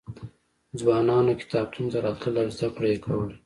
ځوانان کتابتون ته راتلل او زده کړه یې کوله.